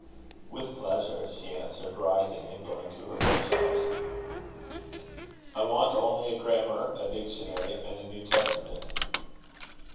"With pleasure," she answered, rising and going to her bookshelves. "I want only a grammar, a dictionary, and a New Testament."